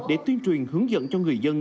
để tuyên truyền hướng dẫn cho người dân